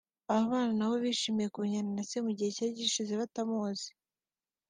Aba bana nabo bishimiye kumenyana na Se mu gihe cyari gishize batamuzi